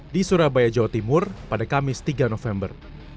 di surabaya jawa timur pada kamis tiga november